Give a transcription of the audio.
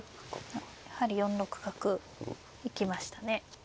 やはり４六角行きましたね。